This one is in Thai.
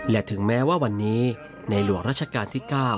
และถึงแม้ว่าวันนี้ในหลวงราชการที่๙